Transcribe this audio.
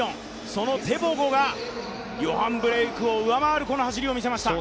そのテボゴがヨハン・ブレイクを上回る走りを見せました。